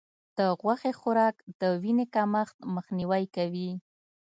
د غوښې خوراک د وینې کمښت مخنیوی کوي.